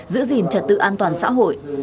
giữ gìn trật tự an toàn xã hội